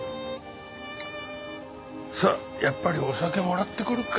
さあやっぱりお酒もらってくるか。